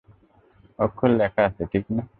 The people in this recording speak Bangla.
অক্ষর লেখা আছে, ঠিক না?